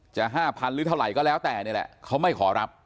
๕๐๐๐หรือเท่าไหร่ก็แล้วแต่นี่แหละเขาไม่ขอรับ